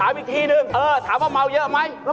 ถามอีกทีหนึ่งถามว่าเมาเยอะไหม